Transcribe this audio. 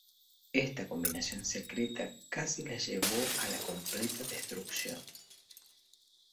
Esta combinación secreta casi les llevó a la completa destrucción.